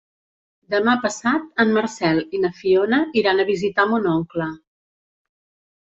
Demà passat en Marcel i na Fiona iran a visitar mon oncle.